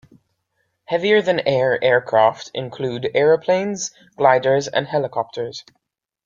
Heavier-than-air aircraft include airplanes, gliders and helicopters.